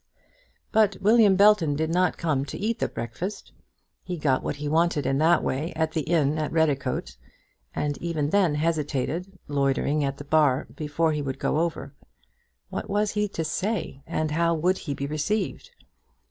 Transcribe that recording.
But William Belton did not come to eat the breakfast. He got what he wanted in that way at the inn at Redicote, and even then hesitated, loitering at the bar, before he would go over. What was he to say, and how would he be received?